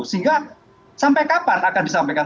sehingga sampai kapan akan disampaikan